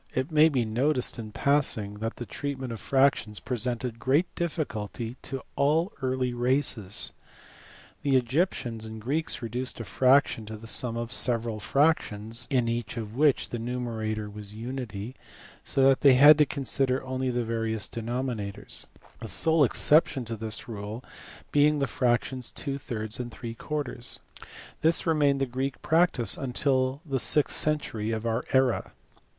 It may be noticed in passing that the treatment of fractions presented great difficulty to all early races. The Egyptians and Greeks reduced a fraction to the sum of several fractions, in each of which the numerator was unity, so that they had EARLY EGYPTIAN MATHEMATICS. 5 to consider only the various denominators : the sole excep tions to this rule being the fractions and f . This remained the Greek practice nmtil the sixth century of our era.